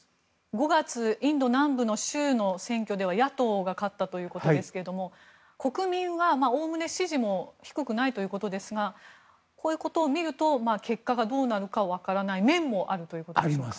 ５月インド南部の州の選挙では野党が勝ったということですが国民は、おおむね支持も低くないということですがこういうことを見ると結果がどうなるかわからない面もあるということですか。